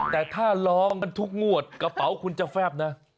แต่ถ้าลองกันทุกงวดกระเป๋าคุณจะแฟบนะ